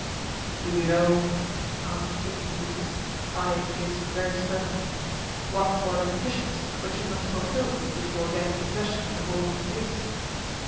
"Do you know," asked King Æetes, eyeing Jason very sternly, "what are the conditions which you must fulfill before getting possession of the Golden Fleece?"